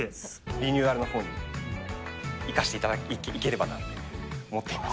リニューアルのほうに生かしていければなと思っています。